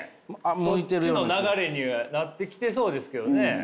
そっちの流れになってきてそうですけどね。